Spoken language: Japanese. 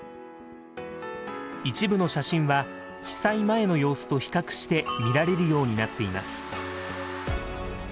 一部の写真は被災前の様子と比較して見られるようになっています。